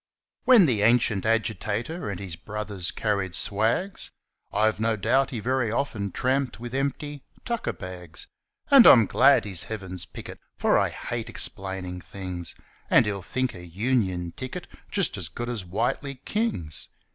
When the ancient agitator And his brothers carried swags, I've no doubt he very often Tramped with empty tucker bags; And I'm glad he's Heaven's picket, For I hate explainin' things, And he'll think a union ticket Just as good as Whitely King's.